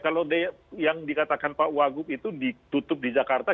kalau yang dikatakan pak wagub itu ditutup di jakarta